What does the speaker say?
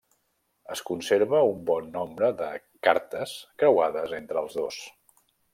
Es conserva un bon nombre de cartes creuades entre els dos.